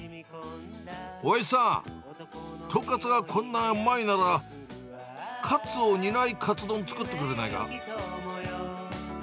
おやじさん、豚カツがこんなうまいなら、カツを煮ないカツ丼を作ってくれないか。